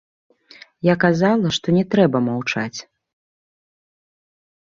Я казала, што не трэба маўчаць.